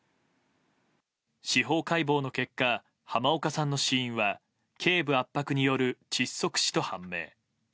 司法解剖の結果濱岡さんの死因は頸部圧迫による窒息死と判明。